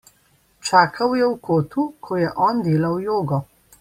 Čakal je v kotu, ko je on delal jogo.